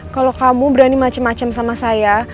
kalau kamu berani macem macem sama saya